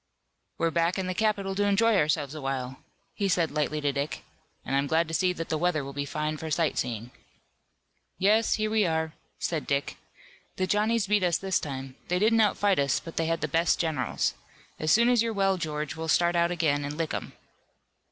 "We're back in the capital to enjoy ourselves a while," he said lightly to Dick, "and I'm glad to see that the weather will be fine for sight seeing." "Yes, here we are," said Dick. "The Johnnies beat us this time. They didn't outfight us, but they had the best generals. As soon as you're well, George, we'll start out again and lick 'em."